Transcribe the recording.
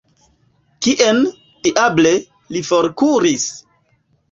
Kien, diable, li forkuris?